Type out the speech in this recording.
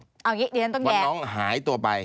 เอาอย่างนี้เดี๋ยวฉันต้องรู้ว่าน้องหายตัวไป